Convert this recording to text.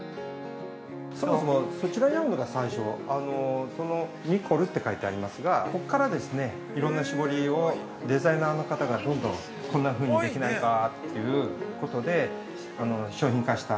◆そもそもそちらにあるのが、最初、ニコルって書いてありますが、ここからいろんな絞りをデザイナーの方がどんどんこんなふうにできないかということで商品化した。